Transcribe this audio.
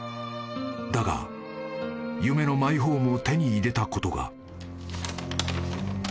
［だが夢のマイホームを手に入れたことが］